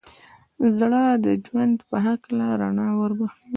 زړه د ژوند په هکله رڼا وربښي.